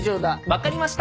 わかりました！